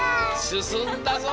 すすんだぞ！